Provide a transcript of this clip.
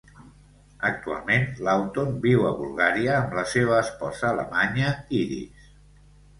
Actualment Lawton viu a Bulgària amb la seva esposa alemanya Iris.